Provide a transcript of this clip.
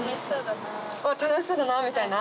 楽しそうだなみたいな？